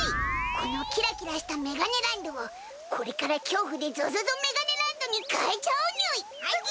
このキラキラしたメガネランドはこれから恐怖でゾゾゾメガネランドに変えちゃうにゅい！つぎ！